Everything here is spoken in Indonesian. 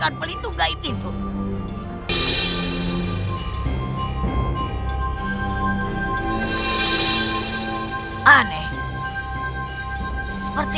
tanpa masalah bahwa kita spatih